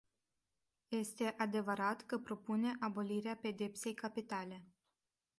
Este adevărat că propune abolirea pedepsei capitale.